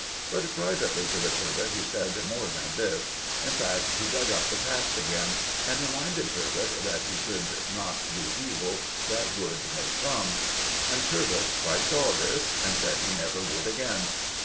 But privately to the "Turbot" he said more than this. In fact, he dug up the past again, and reminded "Turbot" that he should not do evil that good may come. And "Turbot" quite saw this, and said he never would again.